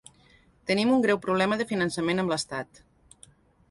Tenim un greu problema de finançament amb l’estat.